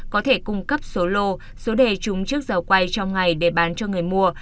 có thể cung cấp số lô số đề chúng trước giờ quay trong ngày để bán cho người mua